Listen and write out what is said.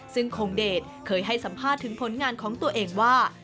ซึ่งคงเดชเคยให้สัมภาษณ์ถึงผลงานของตัวเองว่า